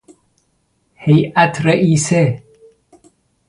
هیئت رئیسه